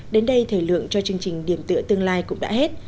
đến đây thời lượng cho chương trình điểm tựa tương lai cũng đã hết